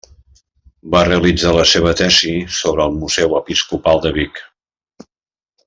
Va realitzar la seva tesi sobre el Museu Episcopal de Vic.